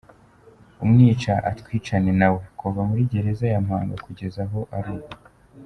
Umwica atwicana nawe.” Kuva muri gereza ya Mpanga kugeza aho ari ubu.